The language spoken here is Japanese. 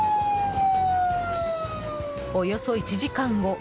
およそ１時間後。